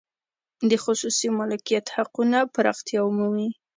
د خصوصي مالکیت حقونه پراختیا ومومي.